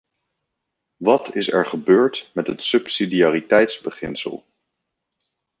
Wat is er gebeurd met het subsidiariteitsbeginsel?